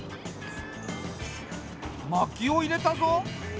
まきを入れたぞ。